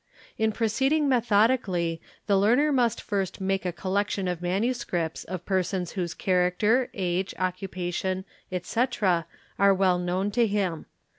In proceeding methodically the learner must first make a collection of manuscripts of persons whose character, age, occupation, etc., are well known to him.